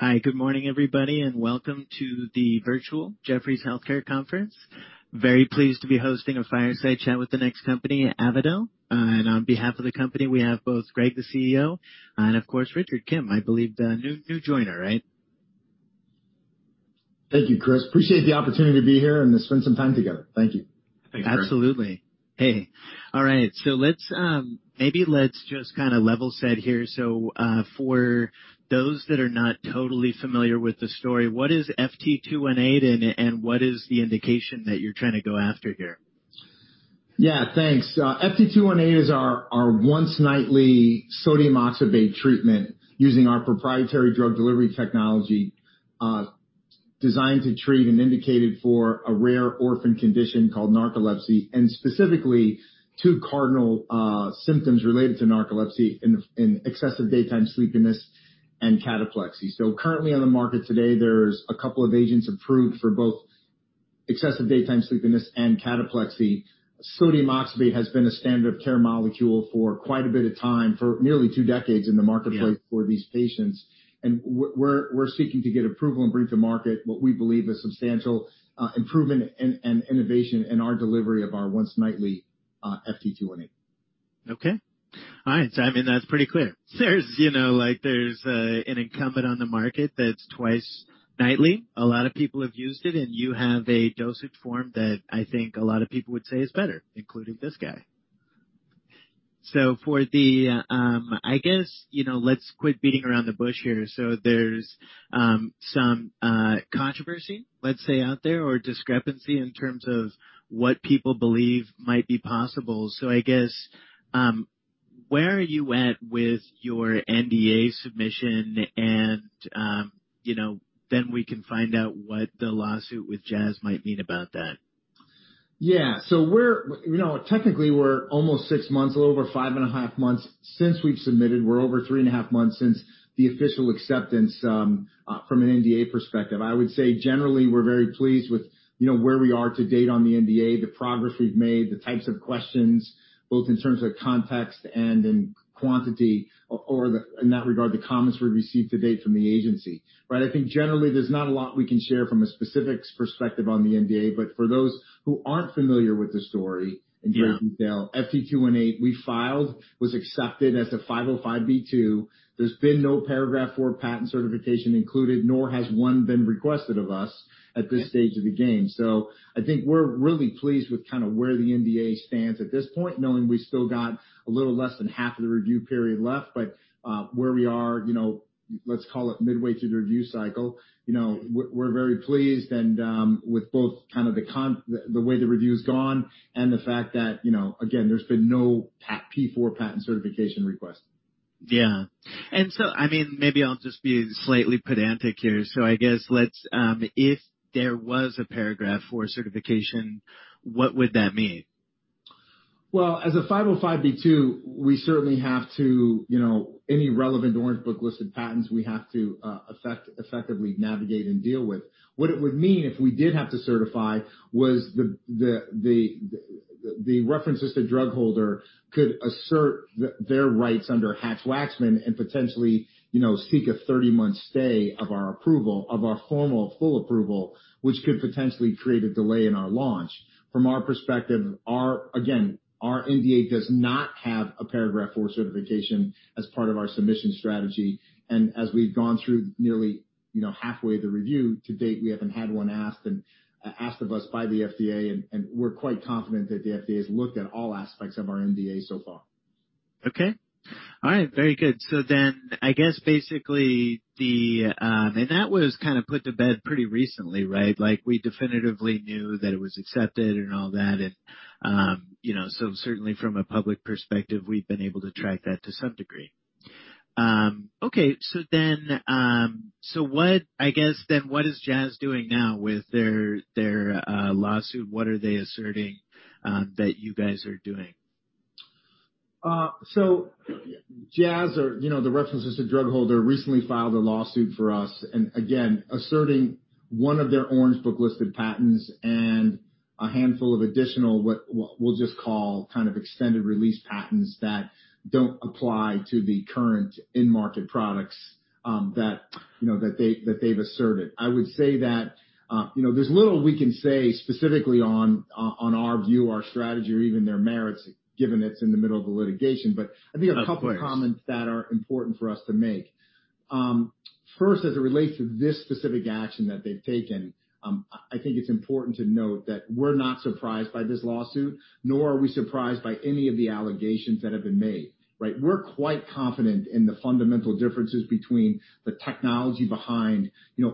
Hi, good morning, everybody. Welcome to the Virtual Jefferies Healthcare Conference. Very pleased to be hosting a fireside chat with the next company, Avadel. On behalf of the company, we have both Greg, the CEO, and of course, Richard Kim, I believe the new joiner, right? Thank you, Chris. Appreciate the opportunity to be here and spend some time together. Thank you. Absolutely. Hey. All right. Maybe let's just level set here. For those that are not totally familiar with the story, what is FT218, and what is the indication that you're trying to go after here? Yeah, thanks. FT218 is our once-nightly sodium oxybate treatment using our proprietary drug delivery technology, designed to treat and indicated for a rare orphan condition called narcolepsy, and specifically two cardinal symptoms related to narcolepsy, excessive daytime sleepiness and cataplexy. Currently on the market today, there's a couple of agents approved for both excessive daytime sleepiness and cataplexy. Sodium oxybate has been a standard of care molecule for quite a bit of time, for nearly two decades in the marketplace for these patients. We're seeking to get approval and bring to market what we believe is substantial improvement and innovation in our delivery of our once-nightly FT218. Okay. All right. I mean, that's pretty clear. There's an incumbent on the market that's twice nightly. A lot of people have used it, and you have a dosage form that I think a lot of people would say is better, including this guy. I guess, let's quit beating around the bush here. There's some controversy, let's say, out there, or discrepancy in terms of what people believe might be possible. I guess, where are you at with your NDA submission and then we can find out what the lawsuit with Jazz might mean about that. Yeah. Technically we're almost six months, a little over 5.5 Months since we've submitted. We're over 3.5 Months since the official acceptance from an NDA perspective. I would say generally, we're very pleased with where we are to date on the NDA, the progress we've made, the types of questions, both in terms of context and in quantity, or in that regard, the comments we've received to date from the agency. I think generally, there's not a lot we can share from a specifics perspective on the NDA. For those who aren't familiar with the story in great detail, FT218, we filed, was accepted as a 505(b)(2). There's been no Paragraph IV patent certification included, nor has one been requested of us at this stage of the game. I think we're really pleased with where the NDA stands at this point, knowing we've still got a little less than half of the review period left. Where we are, let's call it midway through the review cycle. We're very pleased and with both the way the review's gone and the fact that, again, there's been no P4 patent certification request. Yeah. I mean, maybe I'll just be slightly pedantic here. I guess, if there was a Paragraph IV certification, what would that mean? As a 505(b)(2), we certainly have to, you know, any relevant Orange Book listed patents we have to effectively navigate and deal with. What it would mean if we did have to certify was the references to drug holder could assert their rights under Hatch-Waxman and potentially, seek a 30-month stay of our approval, of our formal full approval, which could potentially create a delay in our launch. From our perspective, again, our NDA does not have a Paragraph IV certification as part of our submission strategy, and as we've gone through nearly halfway the review to date, we haven't had one asked of us by the FDA, and we're quite confident that the FDA has looked at all aspects of our NDA so far. Okay. All right. Very good. I guess basically, and that was put to bed pretty recently, right? Like we definitively knew that it was accepted and all that. Certainly from a public perspective, we've been able to track that to some degree. Okay. I guess, what is Jazz doing now with their lawsuit? What are they asserting that you guys are doing? Jazz or the reference listed drug holder recently filed a lawsuit for us and again, asserting one of their Orange Book listed patents and a handful of additional, what we'll just call extended release patents that don't apply to the current in-market products that they've asserted. I would say that there's little we can say specifically on our view, our strategy, or even their merits, given it's in the middle of the litigation. I think a couple of comments that are important for us to make. First, as it relates to this specific action that they've taken, I think it's important to note that we're not surprised by this lawsuit, nor are we surprised by any of the allegations that have been made. Right. We're quite confident in the fundamental differences between the technology behind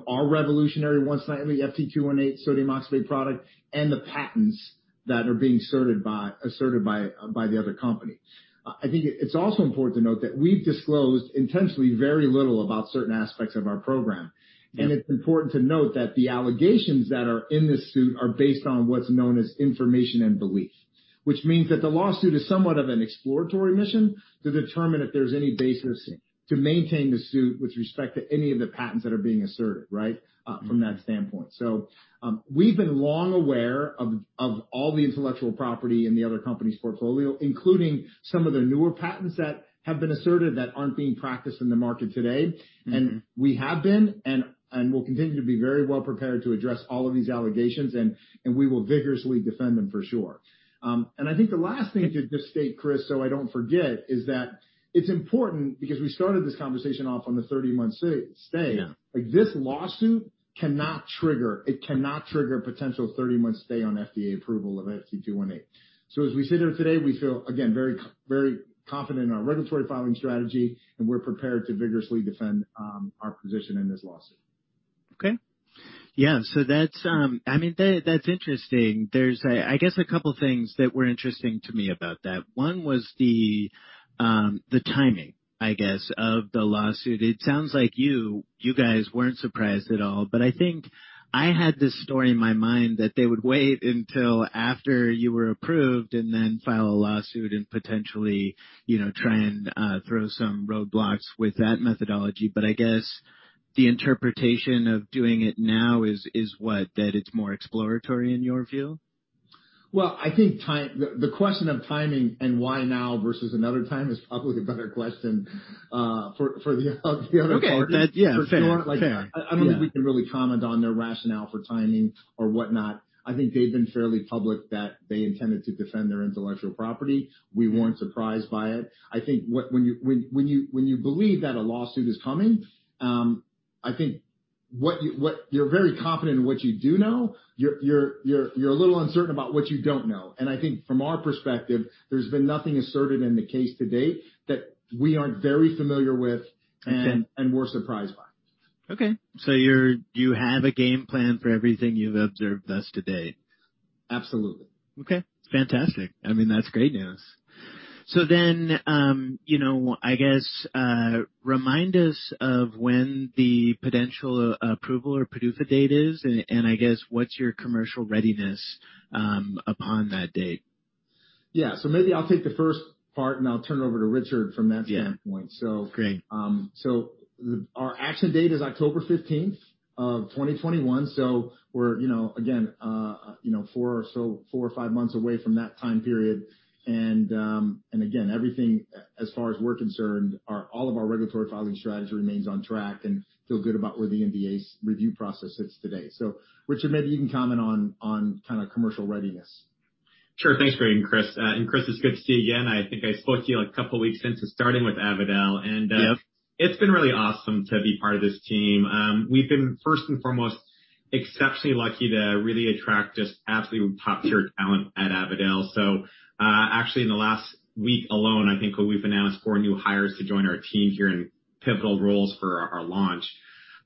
our revolutionary once-nightly FT218 sodium oxybate product and the patents that are being asserted by the other company. I think it's also important to note that we've disclosed intentionally very little about certain aspects of our program, and it's important to note that the allegations that are in this suit are based on what's known as information and belief. Which means that the lawsuit is somewhat of an exploratory mission to determine if there's any basis to maintain the suit with respect to any of the patents that are being asserted from that standpoint. We've been long aware of all the intellectual property in the other company's portfolio, including some of the newer patents that have been asserted that aren't being practiced in the market today. We have been and will continue to be very well prepared to address all of these allegations, and we will vigorously defend them for sure. I think the last thing to just state, Chris, so I don't forget, is that it's important because we started this conversation off on the 30-month stay. Yeah. This lawsuit cannot trigger a potential 30-month stay on FDA approval of FT218. As we sit here today, we feel, again, very confident in our regulatory filing strategy, and we're prepared to vigorously defend our position in this lawsuit. Okay. Yeah. That's interesting. There's, I guess, a couple things that were interesting to me about that. One was the timing, I guess, of the lawsuit. It sounds like you guys weren't surprised at all, but I think I had this story in my mind that they would wait until after you were approved and then file a lawsuit and potentially try and throw some roadblocks with that methodology. I guess the interpretation of doing it now is what? That it's more exploratory in your view? Well, I think the question of timing and why now versus another time is probably a better question for the other party. Okay. Yeah. Fair. Yeah. I don't think we can really comment on their rationale for timing or whatnot. I think they've been fairly public that they intended to defend their intellectual property. We weren't surprised by it. I think when you believe that a lawsuit is coming, I think you're very confident in what you do know. You're a little uncertain about what you don't know. I think from our perspective, there's been nothing asserted in the case to date that we aren't very familiar with and weren't surprised by. Okay. You have a game plan for everything you've observed thus today? Absolutely. Okay. Fantastic. That's great news. I guess, remind us of when the potential approval or PDUFA date is, and I guess what's your commercial readiness upon that date? Yeah. Maybe I'll take the first part, and I'll turn it over to Richard from that standpoint. Yeah. Great. Our action date is October 15th, 2021. We're again four or five months away from that time period. Again everything, as far as we're concerned, all of our regulatory filing strategy remains on track, and feel good about where the NDA's review process sits today. Richard, maybe you can comment on commercial readiness. Sure. Thanks for having me, Chris. Chris, it's good to see you again. I think I spoke to you a couple weeks into starting with Avadel. Yep. It's been really awesome to be part of this team. We've been, first and foremost, exceptionally lucky to really attract just athlete top-tier talent at Avadel. Actually, in the last week alone, I think we've announced four new hires to join our team here in pivotal roles for our launch.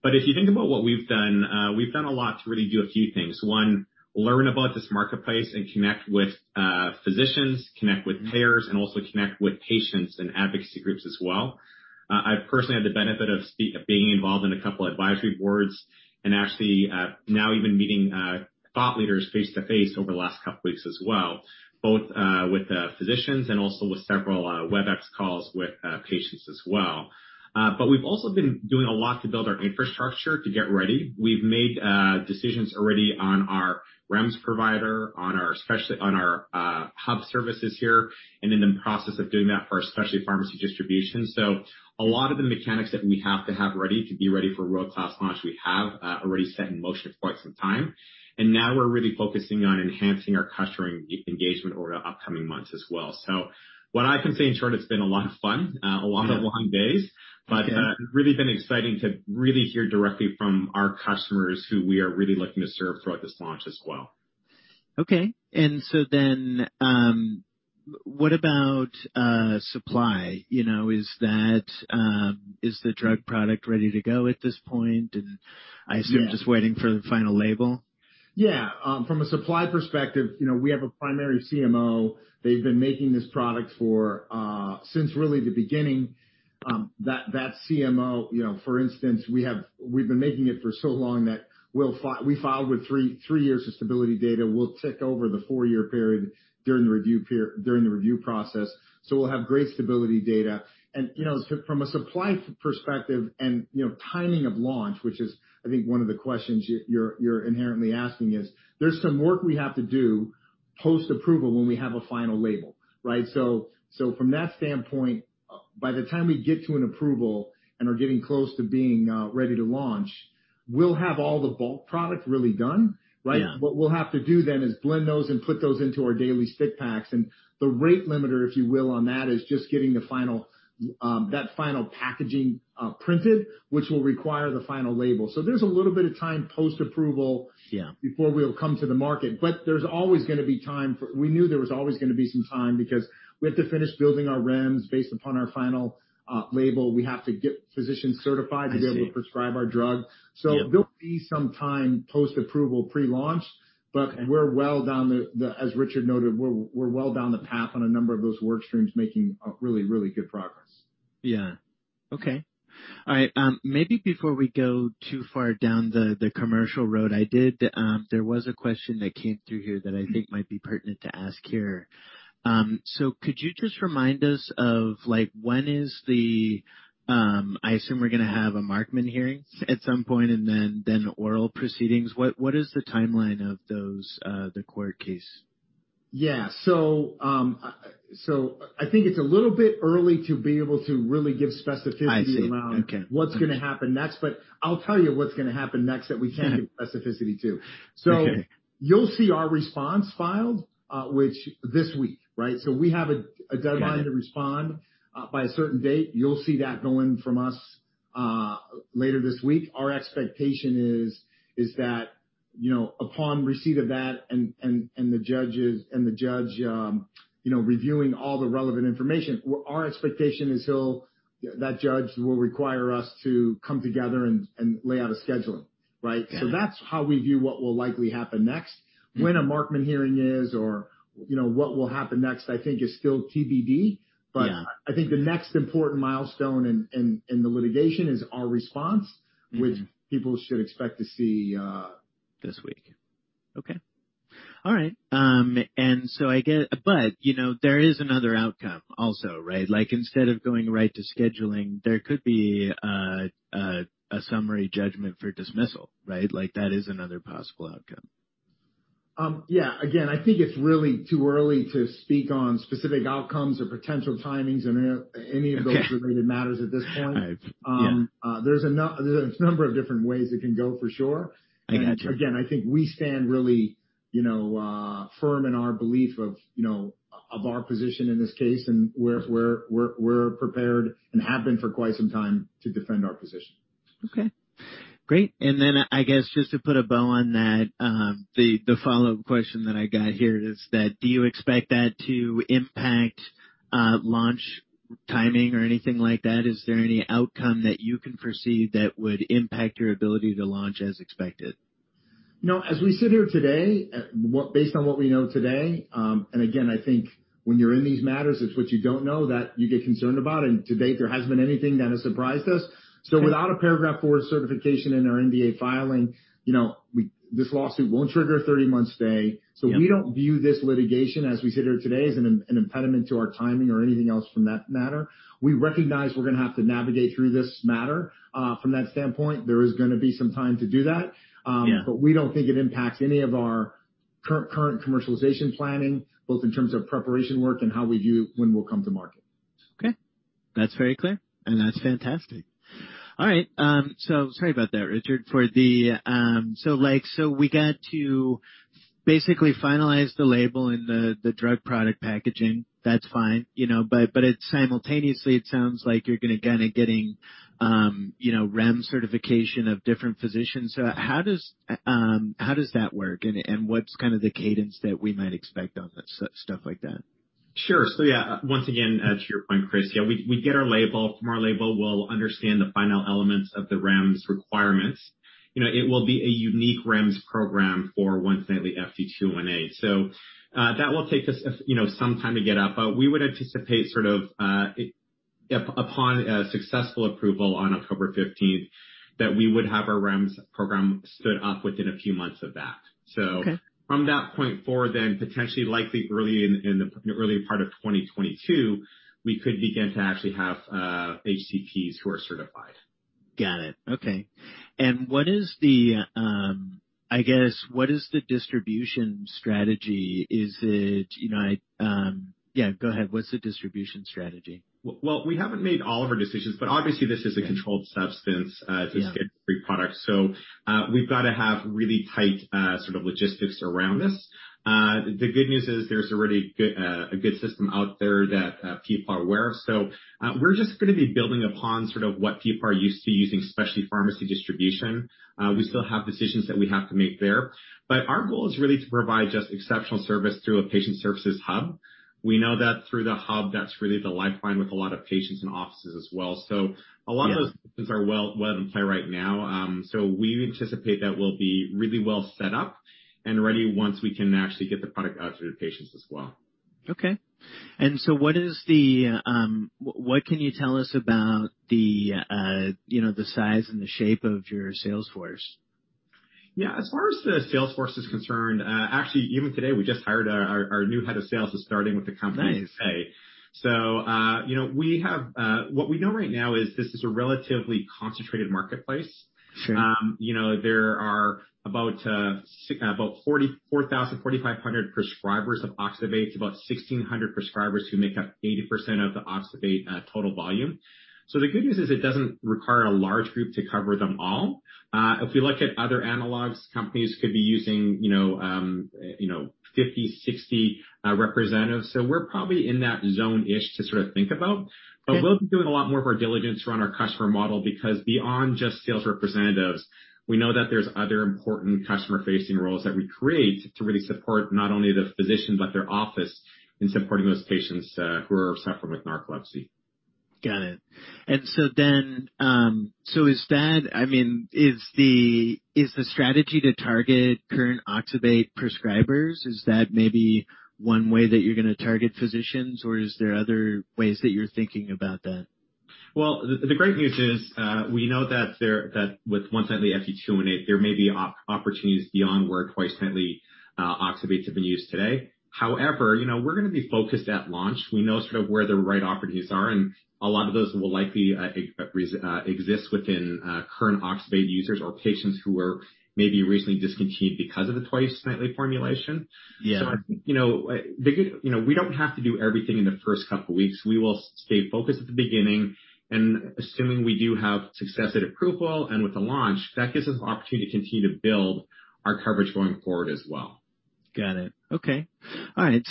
If you think about what we've done, we've done a lot to really do a few things. One, learn about this marketplace and connect with physicians, connect with payers, and also connect with patients and advocacy groups as well. I've personally had the benefit of being involved in a couple advisory boards and actually now even meeting thought leaders face-to-face over the last couple weeks as well, both with physicians and also with several WebEx calls with patients as well. We've also been doing a lot to build our infrastructure to get ready. We've made decisions already on our REMS provider, on our hub services here, and in the process of doing that for specialty pharmacy distribution. A lot of the mechanics that we have to have ready to be ready for world-class launch, we have already set in motion for quite some time. Now we're really focusing on enhancing our customer engagement over the upcoming months as well. What I can say in short, it's been a lot of fun, a lot of long days. Yeah. Really been exciting to really hear directly from our customers who we are really looking to serve throughout this launch as well. Okay. What about supply? Is the drug product ready to go at this point? I assume just waiting for the final label. Yeah. From a supply perspective, we have a primary CMO. They've been making this product since really the beginning. That CMO, for instance, we've been making it for so long that we filed with three years of stability data. We'll tick over the four-year period during the review process. We'll have great stability data. From a supply perspective and timing of launch, which is I think one of the questions you're inherently asking is, there's some work we have to do post-approval when we have a final label, right? From that standpoint, by the time we get to an approval and are getting close to being ready to launch, we'll have all the bulk product really done, right? Yeah. What we'll have to do then is blend those and put those into our daily stick packs, and the rate limiter, if you will, on that is just getting that final packaging printed, which will require the final label. There's a little bit of time post-approval. Yeah before we'll come to the market, but there's always going to be. We knew there was always going to be some time because we have to finish building our REMS based upon our final label. We have to get physicians certified. I see. to be able to prescribe our drug. Yeah. There'll be some time post-approval pre-launch, but as Richard noted, we're well down the path on a number of those work streams making really, really good progress. Yeah. Okay. All right. Maybe before we go too far down the commercial road, there was a question that came through here that I think might be pertinent to ask here. Could you just remind us of when is the-- I assume we're going to have a Markman hearing at some point and then oral proceedings. What is the timeline of those, the court case? I think it's a little bit early to be able to really give specificity around. I see. Okay what's going to happen next, but I'll tell you what's going to happen next that we can give specificity to. Okay. You'll see our response filed this week. We have a deadline. Got it. to respond by a certain date. You'll see that going from us later this week. Our expectation is that, upon receipt of that and the judge reviewing all the relevant information, our expectation is that judge will require us to come together and lay out a schedule. Right? Okay. That's how we view what will likely happen next. What will happen next, I think is still TBD. Yeah. I think the next important milestone in the litigation is our response, which people should expect to see this week. Okay. All right. There is another outcome also, right? Instead of going right to scheduling, there could be a summary judgment for dismissal, right? That is another possible outcome. Yeah. Again, I think it's really too early to speak on specific outcomes or potential timings and any of those. Okay related matters at this point. Right. Yeah. There's a number of different ways it can go, for sure. I got you. I think we stand really firm in our belief of our position in this case, and we're prepared and have been for quite some time to defend our position. Okay, great. I guess just to put a bow on that, the follow-up question that I got here is that do you expect that to impact launch timing or anything like that? Is there any outcome that you can foresee that would impact your ability to launch as expected? As we sit here today, based on what we know today, and again, I think when you're in these matters, it's what you don't know that you get concerned about and debate. There hasn't been anything that has surprised us. Without a Paragraph IV certification in our NDA filing, this lawsuit won't trigger a 30-month stay. Yeah. We don't view this litigation, as we sit here today, as an impediment to our timing or anything else from that matter. We recognize we're going to have to navigate through this matter. From that standpoint, there is going to be some time to do that. Yeah. We don't think it impacts any of our current commercialization planning, both in terms of preparation work and how we do when we'll come to market. Okay. That's very clear, and that's fantastic. All right. Sorry about that, Richard. We got to basically finalize the label and the drug product packaging. That's fine. Simultaneously, it sounds like you're going to getting REMS certification of different physicians. How does that work, and what's the cadence that we might expect on stuff like that? Sure. Yeah, once again, to your point, Chris, we get our label from our label. We'll understand the final elements of the REMS requirements. It will be a unique REMS program for once-nightly FT218. That will take us some time to get up, but we would anticipate upon a successful approval on October 15th, that we would have our REMS program stood up within a few months of that. Okay. From that point forward, potentially likely in the early part of 2022, we could begin to actually have HCPs who are certified. Got it. Okay. What is the distribution strategy? Yeah, go ahead. What's the distribution strategy? Well, we haven't made all of our decisions, but obviously this is a controlled substance. Yeah A Schedule III product, we've got to have really tight logistics around this. The good news is there's already a good system out there that people are aware of. We're just going to be building upon what people are used to using, especially pharmacy distribution. We still have decisions that we have to make there. Our goal is really to provide just exceptional service through a patient services hub. We know that through the hub, that's really the lifeline with a lot of patients and offices as well. Yeah are well in play right now. We anticipate that we'll be really well set up and ready once we can actually get the product out to the patients as well. Okay. What can you tell us about the size and the shape of your sales force? Yeah, as far as the sales force is concerned, actually, even today, we just hired our new head of sales who's starting with the company. Nice today. What we know right now is this is a relatively concentrated marketplace. Sure. There are about 4,000, 4,500 prescribers of oxybate, about 1,600 prescribers who make up 80% of the oxybate total volume. The good news is it doesn't require a large group to cover them all. If we look at other analogs, companies could be using 50, 60 representatives. We're probably in that zone-ish to think about. Okay. We'll be doing a lot more of our diligence around our customer model, because beyond just sales representatives, we know that there's other important customer-facing roles that we create to really support not only the physicians, but their office in supporting those patients who are suffering with narcolepsy. Got it. Is the strategy to target current oxybate prescribers? Is that maybe one way that you're going to target physicians, or is there other ways that you're thinking about that? Well, the great news is, we know that with once-nightly FT218, there may be opportunities beyond where twice-nightly oxybate is being used today. We're going to be focused at launch. We know sort of where the right opportunities are, and a lot of those will likely exist within current oxybate users or patients who were maybe recently discontinued because of the twice-nightly formulation. Yeah. I think, we don't have to do everything in the first couple of weeks. We will stay focused at the beginning, assuming we do have successive approval and with the launch, that gives us an opportunity to continue to build our coverage going forward as well. Got it. Okay. All right.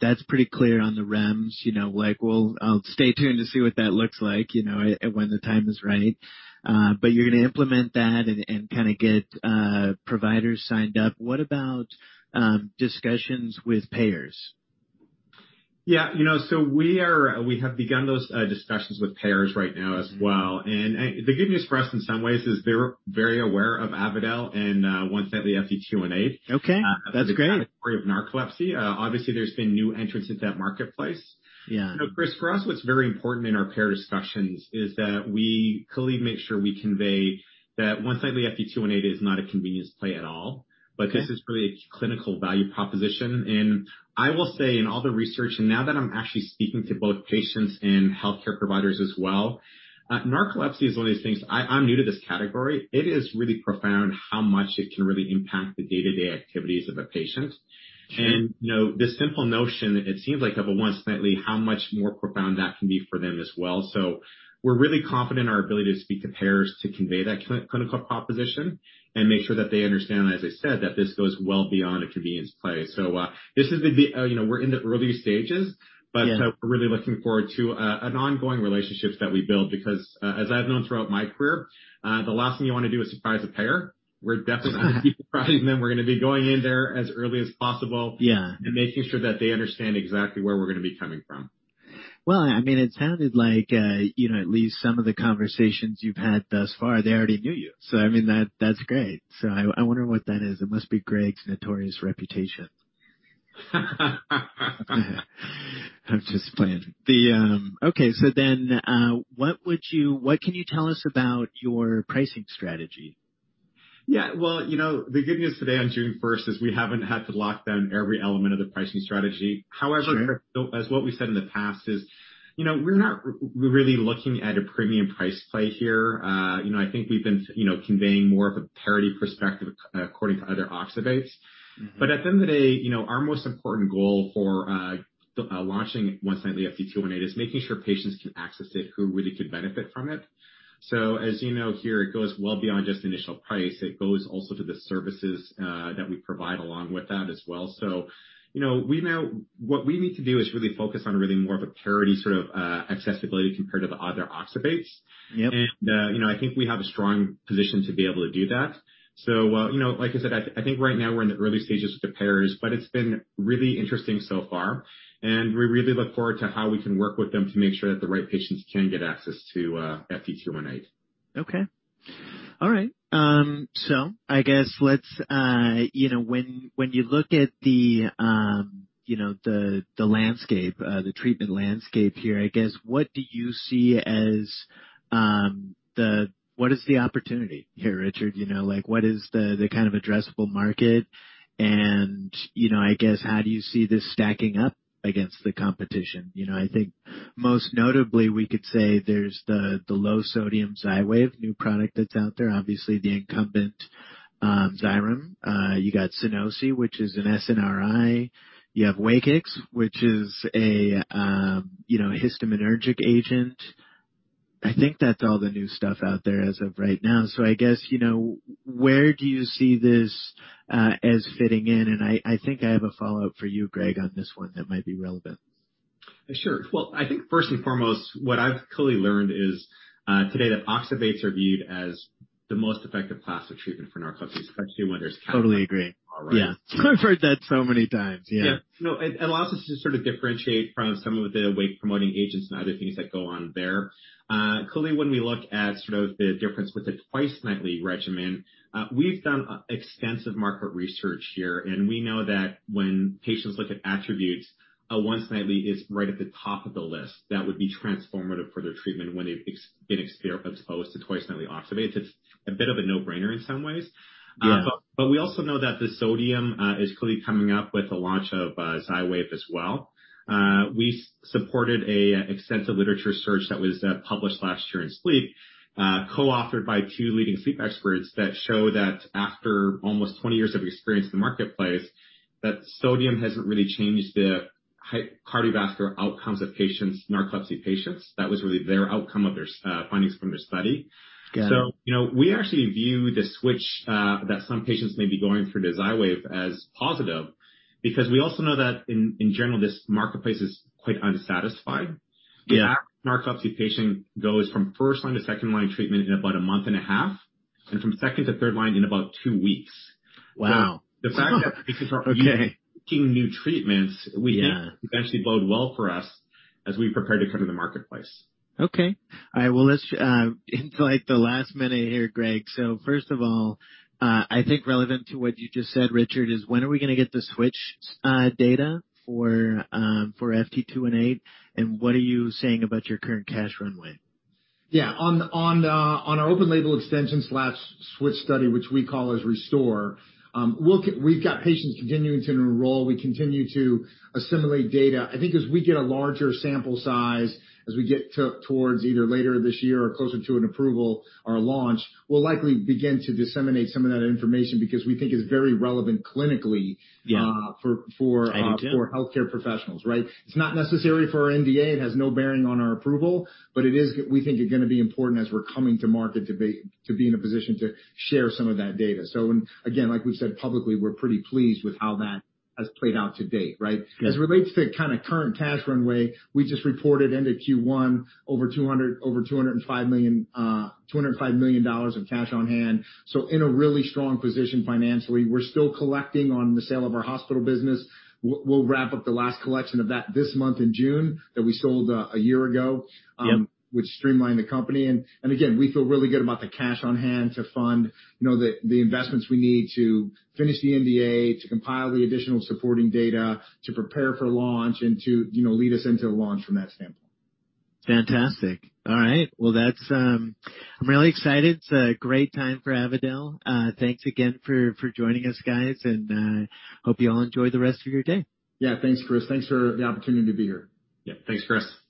That's pretty clear on the REMS. I'll stay tuned to see what that looks like, when the time is right. You're going to implement that and kind of get providers signed up. What about discussions with payers? Yeah. We have begun those discussions with payers right now as well. The good news for us in some ways is they're very aware of Avadel and once-nightly FT218. Okay. That's great. As a category of narcolepsy, obviously, there's been new entrants in that marketplace. Yeah. For us, what's very important in our payer discussions is that we clearly make sure we convey that once-nightly FT218 is not a convenience play at all, this is really a clinical value proposition. I will say in all the research and now that I'm actually speaking to both patients and healthcare providers as well, narcolepsy is one of those things. I'm new to this category. It is really profound how much it can really impact the day-to-day activities of a patient. Sure. The simple notion, it seems like of a once-nightly, how much more profound that can be for them as well. We're really confident in our ability to speak to payers to convey that clinical proposition and make sure that they understand, as I said, that this goes well beyond a convenience play. We're in the early stages. Yeah We're really looking forward to an ongoing relationship that we build because, as I've known throughout my career, the last thing you want to do is surprise a payer. We're definitely not surprising them. We're going to be going in there as early as possible. Yeah Making sure that they understand exactly where we're going to be coming from. It sounded like at least some of the conversations you've had thus far, they already knew you. I mean, that's great. I wonder what that is. It must be Greg's notorious reputation. I'm just playing. Okay. What can you tell us about your pricing strategy? Yeah. Well, the good news today on June 1st is we haven't had to lock down every element of the pricing strategy. Sure. As what we said in the past is, we're not really looking at a premium price play here. I think we've been conveying more of a parity perspective according to other oxybates. At the end of the day, our most important goal for launching once FT218 is making sure patients can access it who really could benefit from it. As you know here, it goes well beyond just initial price. It goes also to the services that we provide along with that as well. What we need to do is really focus on really more of a parity sort of accessibility compared to the other oxybates. Yep. I think we have a strong position to be able to do that. Like I said, I think right now we're in the early stages with the payers, but it's been really interesting so far, and we really look forward to how we can work with them to make sure that the right patients can get access to FT218. Okay. All right. I guess, when you look at the treatment landscape here, I guess, what do you see as the opportunity here, Richard? What is the kind of addressable market and, I guess, how do you see this stacking up against the competition? I think most notably, we could say there's the low sodium XYWAV new product that's out there, obviously the incumbent Xyrem. You got Sunosi, which is an SNRI. You have WAKIX, which is a histaminergic agent. I think that's all the new stuff out there as of right now. I guess, where do you see this as fitting in? I think I have a follow-up for you, Greg, on this one that might be relevant. Sure. Well, I think first and foremost, what I've clearly learned is, today that oxybates are viewed as the most effective class of treatment for narcolepsy. Totally agree. Yeah. I've heard that so many times. Yeah. It allows us to sort of differentiate from some of the wake-promoting agents and other things that go on there. Clearly, when we look at sort of the difference with a twice-nightly regimen, we've done extensive market research here, and we know that when patients look at attributes, a once-nightly is right at the top of the list that would be transformative for their treatment when they've been exposed to twice-nightly oxybates. It's a bit of a no-brainer in some ways. Yeah. We also know that the sodium is clearly coming up with the launch of XYWAV as well. We supported an extensive literature search that was published last year in "Sleep," co-authored by two leading sleep experts that show that after almost 20 years of experience in the marketplace, that sodium hasn't really changed the cardiovascular outcomes of narcolepsy patients. That was really their outcome of their findings from their study. Good. We actually view the switch that some patients may be going for to XYWAV as positive because we also know that in general, this marketplace is quite unsatisfied. Yeah. The average narcolepsy patient goes from first-line to second-line treatment in about a month and a half, and from second to third line in about two weeks. Wow. Okay. Looking at new treatments. Yeah would actually bode well for us as we prepare to come to the marketplace. Okay. All right. Well, let's invite the last minute here, Greg. First of all, I think relevant to what you just said, Richard, is when are we going to get the switch data for FT218, and what are you saying about your current cash runway? Yeah. On our open label extension/switch study, which we call as RESTORE, we've got patients continuing to enroll. We continue to assimilate data. I think as we get a larger sample size, as we get towards either later this year or closer to an approval or launch, we'll likely begin to disseminate some of that information because we think it's very relevant clinically. Yeah for healthcare professionals, right? It's not necessary for our NDA. It has no bearing on our approval, it is, we think it's going to be important as we're coming to market to be in a position to share some of that data. Again, like we've said publicly, we're pretty pleased with how that has played out to date, right? Yeah. As it relates to kind of current cash runway, we just reported into Q1 over $205 million of cash on hand. In a really strong position financially. We're still collecting on the sale of our hospital business. We'll wrap up the last collection of that this month in June that we sold a year ago. Yeah. which streamlined the company. Again, we feel really good about the cash on hand to fund the investments we need to finish the NDA, to compile the additional supporting data, to prepare for launch and to lead us into the launch from that standpoint. Fantastic. All right. Well, I'm really excited. It's a great time for Avadel. Thanks again for joining us guys, and hope you all enjoy the rest of your day. Yeah, thanks, Chris. Thanks for the opportunity to be here. Yeah. Thanks, Chris. Bye.